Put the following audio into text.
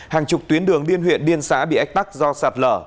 hàng chục tuyến đường điên huyện điên xã bị ách tắc do sạt lở